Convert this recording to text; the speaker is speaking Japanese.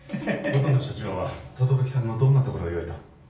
音野社長は轟さんのどんなところをよいと？